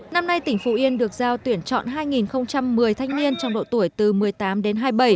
năm nay tỉnh phú yên được giao tuyển chọn hai một mươi thanh niên trong độ tuổi từ một mươi tám đến hai mươi bảy